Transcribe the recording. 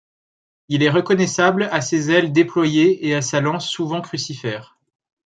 Il est reconnaissable à ses ailes déployées et à sa lance souvent crucifère.